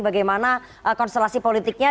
bagaimana konstelasi politiknya